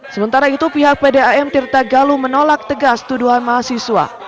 sementara itu pihak pdam tirta galuh menolak tegas tuduhan mahasiswa